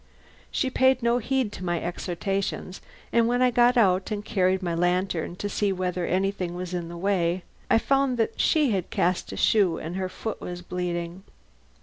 She paid no heed to my exhortations, and when I got out and carried my lantern to see whether anything was in the way, I found that she had cast a shoe and her foot was bleeding.